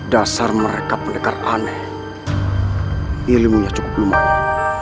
dasar mereka pendekar aneh ilmunya cukup lumayan